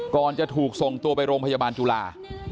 ก่อนจะถูกส่งตัวไปโรงพยาบาลจุฬา